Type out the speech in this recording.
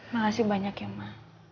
makasih banyak ya ma